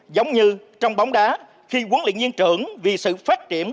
giống như trong bóng đá khi quân luyện nhiên trưởng vì sự phát triển